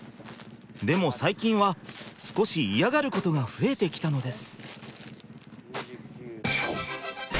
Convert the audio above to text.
でも最近は少し嫌がることが増えてきたのです。